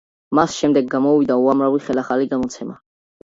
მას შემდეგ გამოვიდა უამრავი ხელახალი გამოცემა.